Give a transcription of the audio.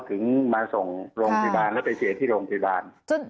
ถึงมาส่งโรงพิบันแล้วไปเจที่โรงพิบัน